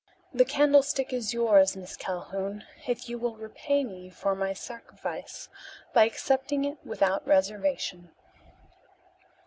The candlestick is yours, Miss Calhoun, if you will repay me for my sacrifice by accepting it without reservation."